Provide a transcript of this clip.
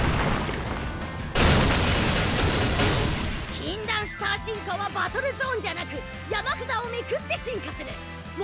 禁断スター進化はバトルゾーンじゃなく山札をめくって進化する。